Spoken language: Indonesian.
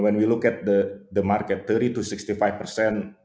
ketika kita melihat pasar tiga puluh enam puluh lima